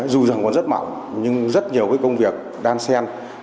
dù rằng còn rất mỏng nhưng rất nhiều công việc đan sen